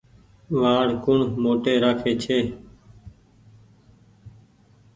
وآڙ ڪوڻ موٽي رآکي ڇي ۔